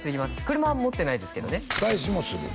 車は持ってないですけどね大志もする？